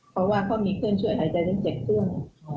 เพราะว่าเขามีเคลื่อนช่วยหายใจจนเจ็บเครื่อง